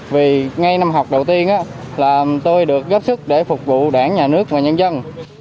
vì ngay năm học đầu tiên là tôi được góp sức để phục vụ đảng nhà nước và nhân dân